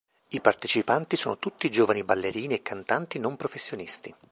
I partecipanti sono tutti giovani ballerini e cantanti non professionisti.